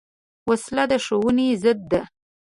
وسله د ښوونې ضد ده